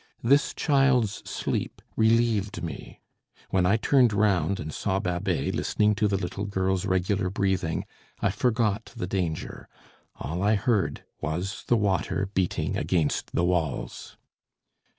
This child's sleep relieved me; when I turned round and saw Babet, listening to the little girl's regular breathing, I forgot the danger, all I heard was the water beating against the walls.